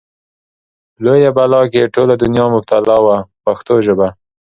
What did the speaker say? لویه بلا کې ټوله دنیا مبتلا وه په پښتو ژبه.